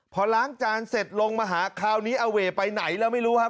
พอล้างจานเสร็จลงมาหาคราวนี้อาเว่ไปไหนแล้วไม่รู้ครับ